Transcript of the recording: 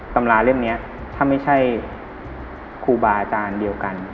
ตำราเล่มนี้ถ้าไม่ใช่ครูบาอาจารย์เดียวกัน